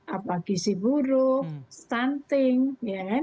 apa gisi buruk stunting ya kan